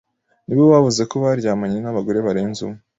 nibo bavuze ko baryamanye n’abagore barenze umwe